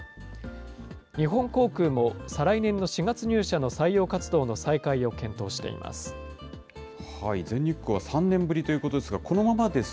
日本航空も、再来年の４月入社の採用活動の再開を検討しています。